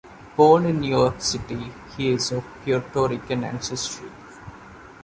Born in New York City, he is of Puerto Rican ancestry.